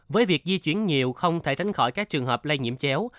với việc di chuyển nhiều không thể tránh khỏi các trường hợp lây nhiễm chéo